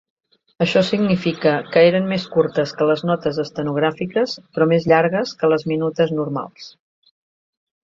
Això significa que eren més curtes que les notes estenogràfiques però mes llargues que les minutes normals.